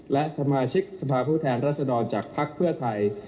และสมาชิกสภาพผู้แทนรัศดรจากภักดิ์เพื่อไทย